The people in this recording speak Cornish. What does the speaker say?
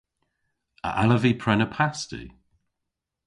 A allav vy prena pasti?